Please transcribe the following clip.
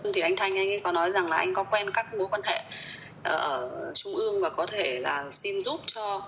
thì anh thanh anh ấy có nói rằng là anh có quen các mối quan hệ ở trung ương và có thể là xin giúp cho